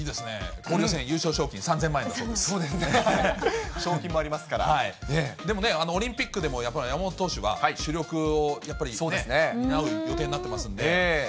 交流戦、優勝賞金３０００万円だそうですね、賞金もありますでもオリンピックでも、やっぱり、山本投手は主力をやっぱり担う予定になってますんで。